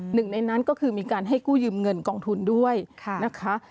หนึ่งในนั้นก็คือมีการให้กู้ยืมเงินกองทุนด้วยนะคะ